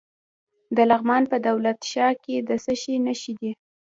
د لغمان په دولت شاه کې د څه شي نښې دي؟